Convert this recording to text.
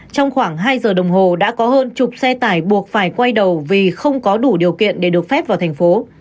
trong khoảng hai giờ đồng hồ đã có hơn chục xe tải buộc phải quay đầu vì không có đủ điều kiện để được phép vào thành phố